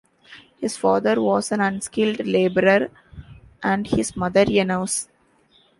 His father was an unskilled labourer and his mother a nurse.